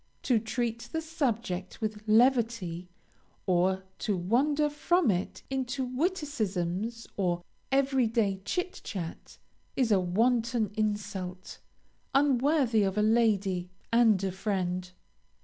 To treat the subject with levity, or to wander from it into witticisms or every day chit chat, is a wanton insult, unworthy of a lady and a friend.